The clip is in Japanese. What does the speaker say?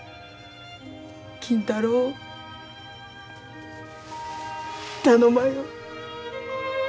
金太郎を頼まよ。